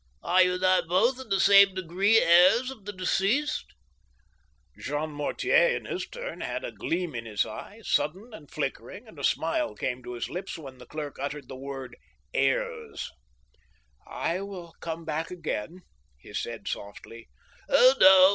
Are you not both in the same degree heirs of the deceased ?" Jean Mortier, in his turn, had a gleam in his eye, sudden and flickering, and a smile came to his lips when the clerk uttered the word heirs, ,*' I will come back again," he said, softly. "Oh!